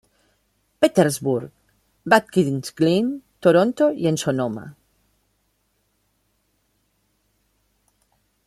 Petersburg, Watkins Glen, Toronto y en Sonoma.